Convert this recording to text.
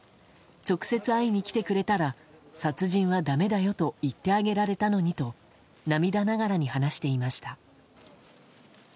直接会いに来てくれたら殺人はだめだよと言ってあげられたのにと涙ながらに話していました。